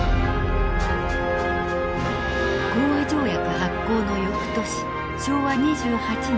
講和条約発効の翌年昭和２８年。